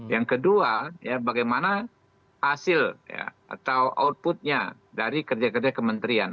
yang kedua bagaimana hasil atau outputnya dari kerja kerja kementerian